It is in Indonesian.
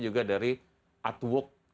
juga dari artwork